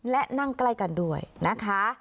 และนั่งใกล้กันด้วยนะคะ